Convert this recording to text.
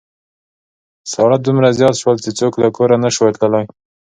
ساړه دومره زيات شول چې څوک له کوره نشوای تللای.